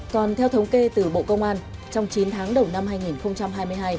còn theo thống kê từ bộ công an trong chín tháng đầu năm hai nghìn hai mươi hai